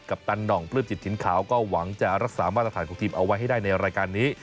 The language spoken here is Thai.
ปตันหน่องปลื้มจิตถิ่นขาวก็หวังจะรักษามาตรฐานของทีมเอาไว้ให้ได้ในรายการนี้